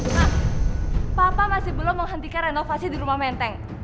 nah papa masih belum menghentikan renovasi di rumah menteng